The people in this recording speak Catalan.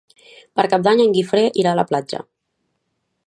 Per Cap d'Any en Guifré irà a la platja.